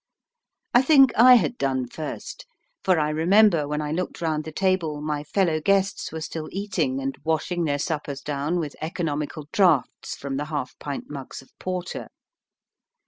I think I had done first, for I remember when I looked round the table my fellow guests were still eating and washing their suppers down with economical draughts from the half pint mugs of porter.